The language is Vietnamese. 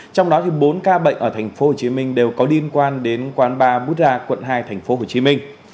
trong đó bốn ca bệnh ở tp hcm đều có liên quan đến quán ba but ra quận hai tp hcm